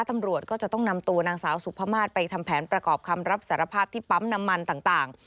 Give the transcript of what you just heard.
ตำรวจก็จะต้องนำตัวนางสาวสุภามาศไปทำแผนประกอบคำรับสารภาพที่ปั๊มน้ำมันต่าง